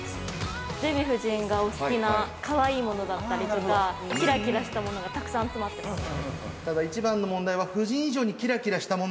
◆デヴィ夫人がお好きなかわいいものだったりとかキラキラしたものがたくさん集まってます。